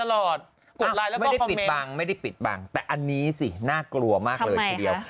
ไม่ได้ปิดบังไม่ได้ปิดบังแต่อันนี้สิน่ากลัวมากเลยทีเดียว